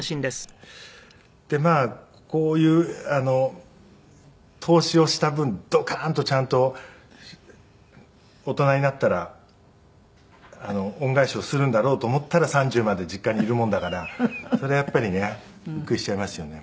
でまあこういう投資をした分ドカンとちゃんと大人になったら恩返しをするんだろうと思ったら３０まで実家にいるもんだからそれはやっぱりねびっくりしちゃいますよね。